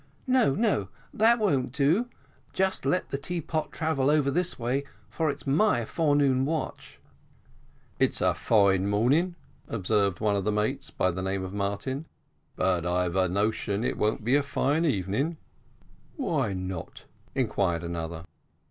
"No, no, that won't do just let the teapot travel over this way, for it's my forenoon watch." "It's a fine morning," observed one of the mates, of the name of Martin; "but I've a notion it won't be a fine evening." "Why not?" inquired another.